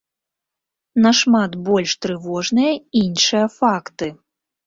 Нашмат больш трывожныя іншыя факты.